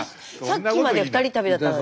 さっきまでは２人旅だったのに。